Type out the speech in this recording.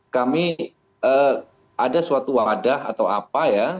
kami ada suatu wadah atau apa ya